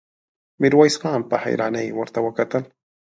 ميرويس خان په حيرانۍ ورته وکتل.